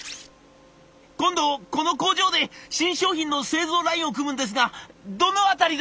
今度この工場で新商品の製造ラインを組むんですがどの辺りですか？」。